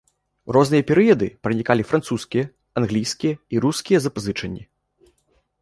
У розныя перыяды пранікалі французскія, англійскія і рускія запазычанні.